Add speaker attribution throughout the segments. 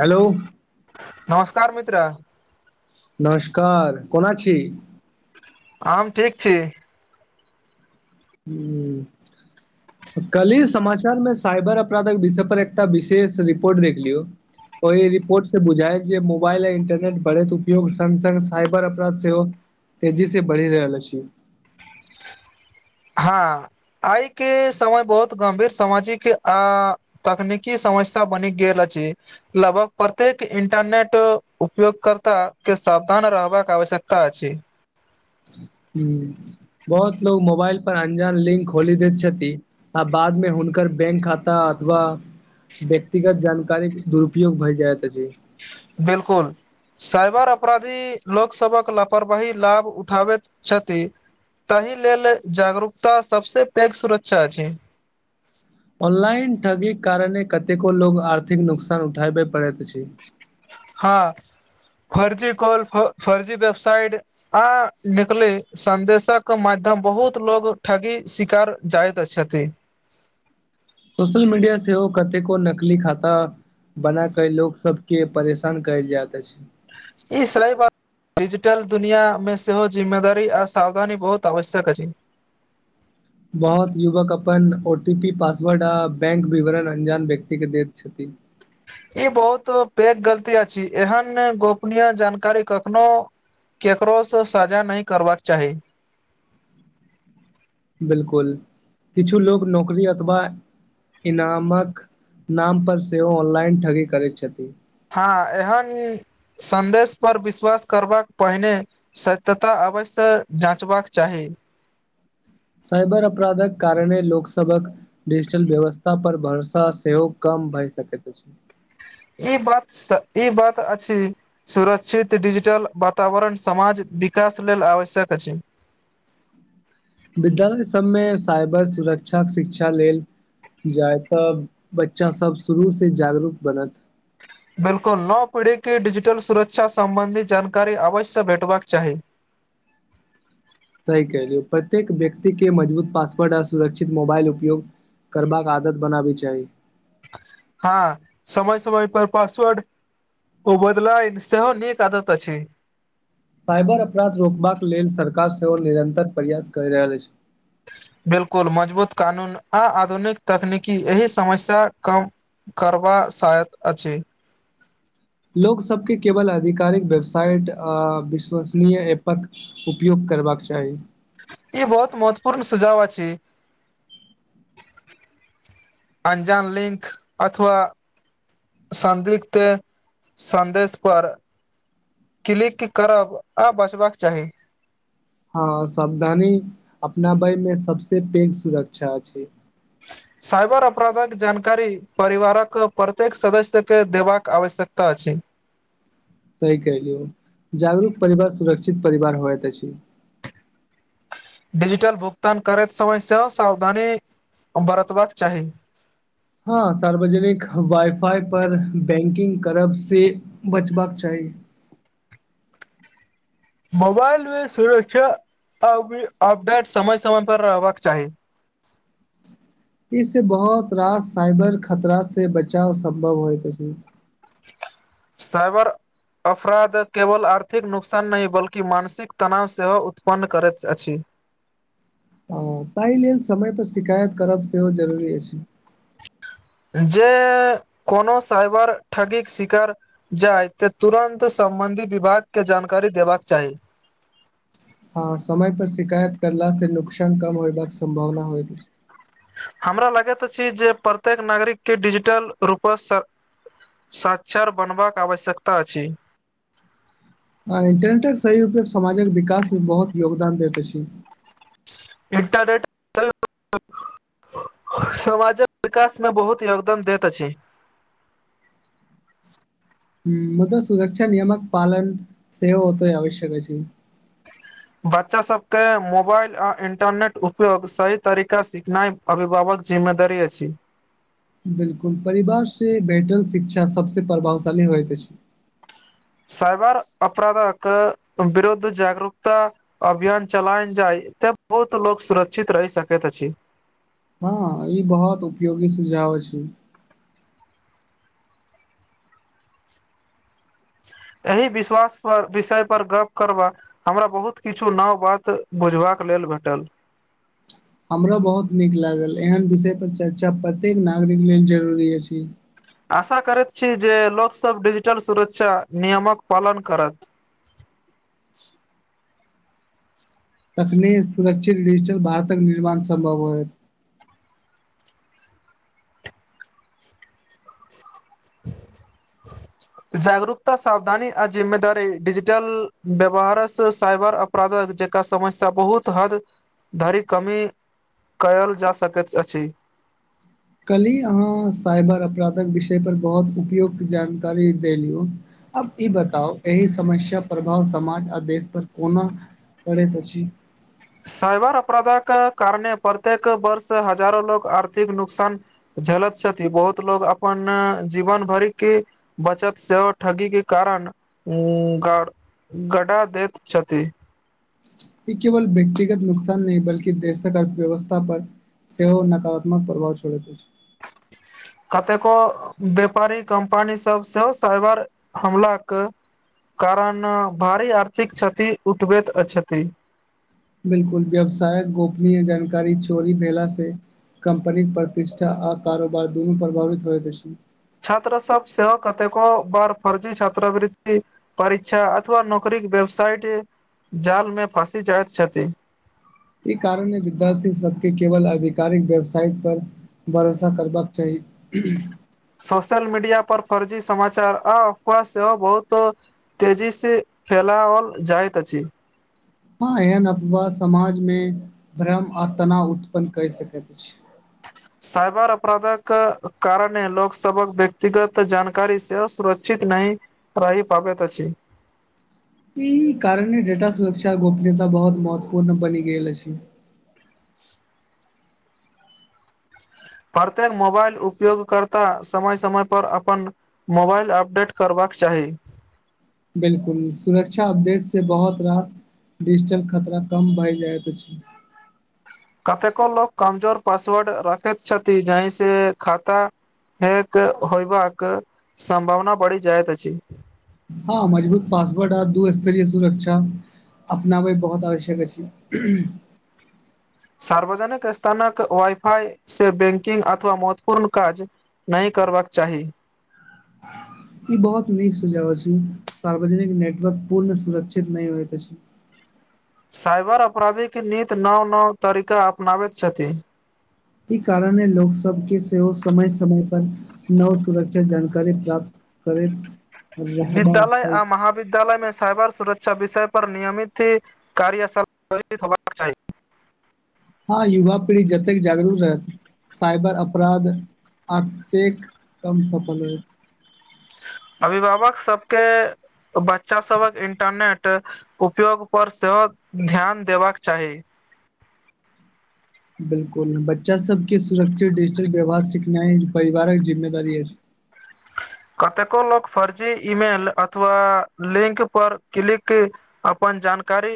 Speaker 1: Hello
Speaker 2: नमस्कार मित्र
Speaker 1: नमस्कार कोना छी
Speaker 2: हम ठीक छी
Speaker 1: हू कल्हि समाचार मे साइबर अपराधक विषय पर एकटा विशेष रिपोर्ट देख लियौ ओहि रिपोर्ट से बुझााय जे मोबइल य इंटरनेट बढ़ैत उपयोग संग संग साइबर अपराध सेहो तेजी से बढ़ि रहल अछि
Speaker 2: हँ आय के समय बहुत गम्भीर सामाजिक आ तकनीकी समस्या बनि गेल अछि लगभग प्रत्येक इंटरनेट उपयोगकर्ता के सावधान रहबाक आवश्यकता अछि
Speaker 1: ह बहुत लोग मोबाइल पर अनजान लिंक खोली दैत छथि आ बादमे हुनकर बैंक खाता अथवा व्यक्तिगत जानकारी दुरुपयोग भय जाय त अछि
Speaker 2: बिल्कुल साइबर अपराधी लोकसभक लापरवाही लाभ उठाबैत छथि ताहि लेल जागरूकता सभसँ पैघ सुरक्षा अछि
Speaker 1: ऑनलाइन ठगीक कारणे कतेको लोको आर्थिक नुकसान उठाबय पड़ैत अछि
Speaker 2: हँ फर्जी कॉल फ फर्जी वेबसाइट आ निकले संदेशक माध्यम बहुत लोग ठगी शिकार जाइत छथि
Speaker 1: सोशल मीडिया सेहो कतेको नकली खाता बनायक लोक सब के परेशान कयल जाइत अछि
Speaker 2: ई सलइ ब डिजिटल दुनिआमे सेहो जिम्मेदारी आ सावधानी बहुत आवश्यक अछि
Speaker 1: बहुत युवक अपन ओ टी पी पासवर्ड आ बैंक विवरण अन्जान व्यक्तिके दैत छथि
Speaker 2: ई बहुत पैघ गलती अछि एहन गोपनीय जानकारी कखनो केकरोसँ साझा नहि करबाक चाही
Speaker 1: बिल्कुल किछु लोक नौकरी अथवा इनामक नाम पर सेहो ऑनलाइन ठगी करैत छथि
Speaker 2: हँ एहन सन्देश पर विश्वास करबाक पहिने सत्यता अवश्य जाँचबाक चाही
Speaker 1: साइबर अपराधक कारणे लोकसभक डिजिटल व्यवस्था पर भरोसा सेहो कम भए सकैत अछि
Speaker 2: ई बात स ई बात अछि सुरक्षित डिजिटल वातावरण समाज विकास लेल आवश्यक अछि
Speaker 1: विद्यालय सभमे साइबर सुरक्षाक शिक्षा लेल जाय तऽ बच्चा सब शुरू से जागरूक बनत
Speaker 2: बिल्कुल नव पीढ़ीके डिजिटल सुरक्षा सम्बन्धी जानकारी अवश्य भेटबाक चाही
Speaker 1: सही कहलियै प्रत्येक व्यक्ति के मजबूत पासवर्ड आ सुरक्षित मोबाइल उपयोग करबाक आदत बनाबै चाही
Speaker 2: हँ समय समय पर पासवर्ड ओ बदलाइ सेहो नीक आदत अछि
Speaker 1: साइबर अपराध रोकबाक लेल सरकार सेहो निरन्तर प्रयास करि रहल अछि
Speaker 2: बिल्कुल मजबूत कानून आ आधुनिक तकनीकी एहि समस्या कम करबा सहायत अछि
Speaker 1: लोक सबके केवल आधिकारिक वेबसाइट आ विश्वसनीय ऐप पर उपयोग करबाक चाही
Speaker 2: ई बहुत महत्वपूर्ण सुझाव अछि अनजान लिंक अथवा शांति संदेश पर क्लिक करब आ बचबाक चाही
Speaker 1: हँ सावधानी अपनाबयमे सबसँ पैघ सुरक्षा छै [inaudible]
Speaker 2: साइबर अपराधक जानकारी परिवारक प्रत्येक सदस्यके देबाक आवश्यकता अछि
Speaker 1: सहि कहलियै जागरूक परिवार सुरक्षित परिवार होइत अछि
Speaker 2: डिजिटल भुगतान करैत समय सेहो सावधानी बरतबाक चाही
Speaker 1: हँ सार्वजनिक वाइ फाइ पर बैंकिंग करब से बचबाक चाही
Speaker 2: मोबाइलमे सुरक्षा आ अपडेट समय समयपर रहबाक चाही
Speaker 1: इसे बहुत रास साइबर खतरा से बचाव सम्भव होइत अछि
Speaker 2: साइबर अपराध केवल आर्थिक नुकसान नहि बल्कि मानसिक तनाव सेहो उत्पन्न करैत अछि
Speaker 1: हँ ताहि लेल समयपर शिकायत करब सेहो जरूरी अछि
Speaker 2: जे कोनो साइबर ठगीक शिकार जाय ते तुरन्त सम्बन्धी विभाग के जानकारी देबाक चाही
Speaker 1: हँ समय पर शिकायत करला से नुकसान कम होयबाक सम्भावना होयत अछि
Speaker 2: हमरा लागैत अछि जे प्रत्येक नागरिक के डिजिटल रूप सँ साक्षर बनबाक आवश्यकता अछि
Speaker 1: इन्टरनेटक सही उपयोग समाजक विकासमे बहुत योगदान दैत अछि
Speaker 2: इंटरनेट समाजक विकास मे बहुत योगदान देत अछि
Speaker 1: हूं मुदा सुरक्षा नियमक पालन सेहो ओतय आवश्यक अछि
Speaker 2: बच्चा सबके मोबाइल आ इन्टरनेट उपयोग सही तरीका सिखनाइ अभिभावक जिम्मेदारी अछि
Speaker 1: बिलकुल परिवारसँ भेटल शिक्षा सभसँ प्रभावशाली होइत अछि
Speaker 2: साइबर अपराधक विरुद्ध जागरूकता अभियान चलायल जाय तऽ बहुत लोक सुरक्षित रहि सकैत अछि
Speaker 1: हँ ई बहुत उपयोगी सुझाव अछि
Speaker 2: एहि विश्वास पर विषय पर गप्प करबा हमरा बहुत किछु नव बात बुझबाक लेल भेटल
Speaker 1: हमरो बहुत नीक लागल एहन विषय पर चर्चा प्रत्येक नागरिक लेल जरूरी अछि
Speaker 2: आशा करैत छी जे लोकसभ डिजिटल सुरक्षा नियमक पालन करत
Speaker 1: तखने सुरक्षित डिजिटल भारतक निर्माण सम्भव होयत [inaudible]
Speaker 2: जागरूकता सावधानी आ जिम्मेदारी डिजिटल व्यवहारसँ साइबर अप अपराधक जेका समस्या बहुत हद धरि कमी कयल जा सकैत अछि
Speaker 1: कल्हि अहाँ साइबर अपराधक विषयपर बहुत उपयुक्त जानकारी द लियौ अब ई बताउ एहि समस्या प्रभाव समाज आ देश पर कोनो करैत अछि
Speaker 2: साइबर अपराध के कारणे प्रत्येक वर्ष हजारो लोक आर्थिक नुकसान झेलैथ छथि बहुत लोग अपन जीवन भरिके बचत सेहो ठगी के कारण ग गडा दैत छथि
Speaker 1: ई केवल व्यक्तिगत नुकसान नहि बल्कि देशक अर्थव्यवस्था पर सेहो नकारात्मक प्रभाव छोड़ैत अछि
Speaker 2: कतेको व्यापारी कम्पनी सब से साइबर हमलाक कारण भारी आर्थिक क्षति उठबैत छथि
Speaker 1: बिल्कुल व्यवसायक गोपनीय जानकारी चोरी भेला से कम्पनीक प्रतिष्ठा आ कारोबार दुनू प्रभावित होइत अछि
Speaker 2: छात्र सब सेहो कतेको बार फर्जी छात्रवृति परीक्षा अथवा नौकरी के वेबसाइट जाल मे फँसी जाइत छथि
Speaker 1: ई कारणे विद्यार्थी सबके केवल आधिकारिक वेबसाइट पर भरोसा करबाके चाही
Speaker 2: सोशल मीडिया पर फर्जी समाचार आ अफवाह सेहो बहुत तेजीसे फैलाओल जाइत अछि
Speaker 1: हँ एहन अफवाह समाजमे भ्रम आ तनाव उत्पन्न कय सकैत छै
Speaker 2: साइबर अपराधक कारणे लोकसभक व्यक्तिगत जानकारी सेहो सुरक्षित नहि रहि पाबैत अछि
Speaker 1: ई कारणे डेटा सुरक्षा गोपनीयता बहुत महत्वपूर्ण बनि गेल अछि
Speaker 2: प्रत्येक मोबाइल उपयोगकर्ता समय समय पर अपन मोबाइल अपडेट करबाक चाही
Speaker 1: बिल्कुल सुरक्षा अपडेटसे बहुत रास डिजिटल खतरा कम भए जाइत अछि
Speaker 2: कतेको लोक कमजोर पासवर्ड रखैत छथि जाहि से खाता हैक होयबाके सम्भावना बढ़ि जाइत अछि
Speaker 1: हँ मजबूत पासवर्ड आ दूस्तरीय सुरक्षा अपनाबै बहुत आवश्यक अछि
Speaker 2: सार्वजनिक स्थानक वाइफई से बैंकिंग अथवा महत्वपूर्ण काज नहि करबाक चाही
Speaker 1: [inaudible] ई बहुत नीक सुजाव अछि सार्वजनिक नेटवर्क पूर्ण सुरक्षित नहि होइत अछि
Speaker 2: साइबर अपराधीके नीत नव नव तरीका अपनाबैत छथि
Speaker 1: ई कारण ह लोक सबके सेहो समय समय पर नव सुरक्षा जानकारी प्राप्त करीब
Speaker 2: विद्यालय आ महाविद्यालय मे साइबर सुरक्षा विषय पर नियमित ह कार्यशित ह
Speaker 1: हँ युवा पीढ़ी जतेक जागरूक रहत साइबर अपराध अतेक कम सफल होइ
Speaker 2: अभिभावक सब के बच्चा सभक इंटरनेट उपयोग पर सेहो ध्यान देबाक चाही
Speaker 1: बिल्कुल बच्चा सबके सुरक्षित डिजिटल व्यवहार सिखनाइ परिवारक जिम्मेदारी अछि
Speaker 2: कतेको लोक फर्जी ईमेल अथवा लिंक पर क्लिक अपन जानकारी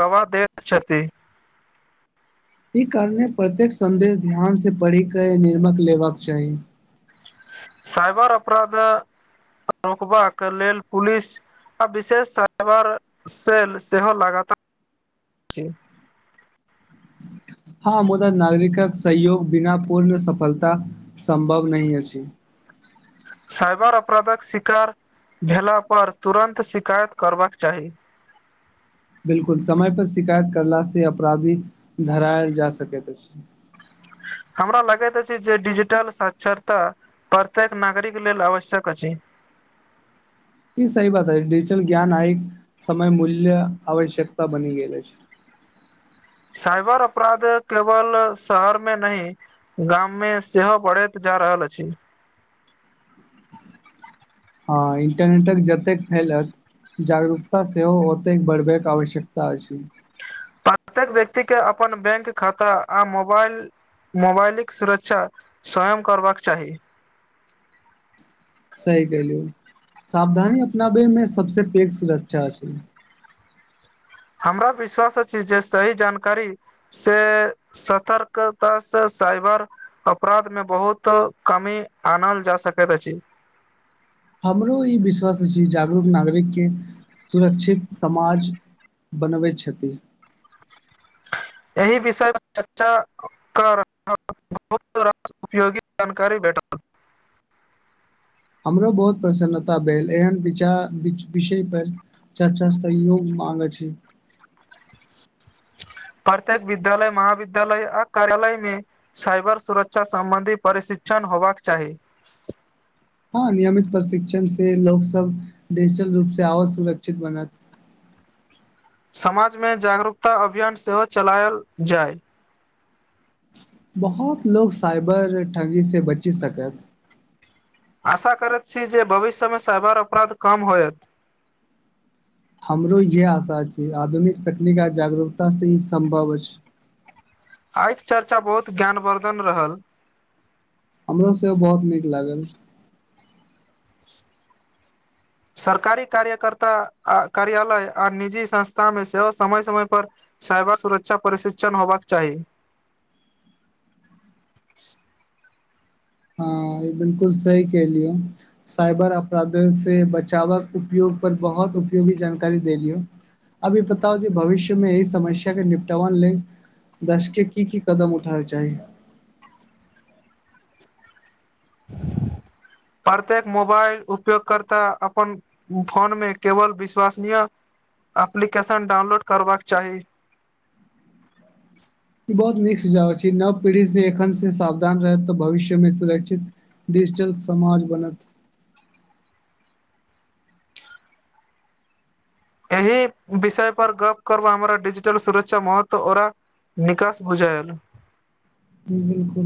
Speaker 2: गवा दैत छथि
Speaker 1: ई कारणे प्रत्येक सन्देश ध्यान से पढ़िक कऽ निर्मक लेबाक चाही
Speaker 2: साइबर अपराध रोकबाक लेल पुलिस आ विशेष साइबर सेेल सेहो लगातार
Speaker 1: हँ मुदा नागरिकक सहयोग बिना पूर्ण सफलता सम्भव नहि अछि
Speaker 2: साइबर अपराधक शिकार भेलापर तुरन्त शिकायत करबाक चाही
Speaker 1: बिल्कुल समय पर शिकायत करला से अपराधी धरायल जा सकैत अछि।
Speaker 2: हमरा लगैत अछि जे डिजिटल साक्षरता प्रत्येक नागरिक लेल आवश्यक अछि
Speaker 1: इ सही बात अछि हिजटल ज्ञान आइ समय मूल्य आवश्यकता बनि गेल अछि
Speaker 2: साइबर अपराध केवल शहर मे नही गाम मे सेहो बढ़ैत जा रहल अछि
Speaker 1: हँ इंटरनेटक जतेक फैलत जागरूकता सेहो ओतेक बढ़ब आवश्यकता अछि
Speaker 2: प्रत्येक व्यक्ति के अपन बैंक खाता आ मोबाइल मोबाइलक सुरक्षा स्वयं करबाक चाही
Speaker 1: सही कहलियौ सावधानी अपनाबै मे सभ से पैघ सुरक्षा छै
Speaker 2: हमरा विश्वास अछि जे सही जानकारी से सतर्कता से साइबर अपराध मे बहुत कमी आनल जा सकैत अछि
Speaker 1: हमरो ई विश्वास अछि जागरूक नागरिक के सुरक्षित समाज बनबै छथिन
Speaker 2: एहि विषय [unintelligible] मे चर्चा कऽ रहल बहुत राह [unintelligible] उपयोगी जानकारी भेटल
Speaker 1: हमरो बहुत प्रसन्नता भेल एहन विचार विच विषय पर चर्चा सहयोग माँगै छै
Speaker 2: प्रत्येक विद्यालय महाविद्यालय आ कार्यालय मे साइबर सुरक्षा सम्बन्धी प्रशिक्षण होबाक चाही
Speaker 1: हँ नियमित प्रशिक्षण से लोक सब डिजिटल रूप से आओर सुरक्षित बनत
Speaker 2: समाज मे जागरूकता अभियान सेहो चलायल जाय
Speaker 1: बहुत लोग साइबर ठगी से बचि सकत
Speaker 2: आशा करैत छी जे भविष्य मे साइबर अपराध कम होयत
Speaker 1: हमरो इएह आशा अछि आधुनिक तकनीक आ जागरूकता से ही सम्भव अछि
Speaker 2: आइक चर्चा बहुत ज्ञानवर्धन रहल
Speaker 1: हमरो सेहो बहुत नीक लागल
Speaker 2: सरकारी कार्यकर्ता आ कार्यालय आर निजी संस्था मे सेहो समय समय पर साइबर सुरक्षा परिशिक्षण होबाक चाही
Speaker 1: हँ बिलकुल सही कहलियौ साइबर अपराध से बचावक उपयोग पर बहुत उपयोगी जानकारी दे लियऽ अभी बताउ जे भविष्यमे एहि समस्या के निपटाबन लेल दश के की की कदम उठाबके चाही
Speaker 2: प्रत्येक मोबाइल उपयोगकर्ता अपन फोनमे केवल विश्वसनीय एप्लीकेशन डाउनलोड करबाक चाही
Speaker 1: ई बहुत नीक सुझाव छी नव पीढ़ी से एखन से सावधान रहत तऽ भविष्यमे सुरक्षित डिजिटल समाज बनत
Speaker 2: एहि विषय पर गप्प करब हमरा डिजिटल सुरक्षा महत्व ओरा निकास बुझायल
Speaker 1: बिल्कुल